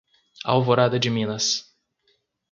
Alvorada de Minas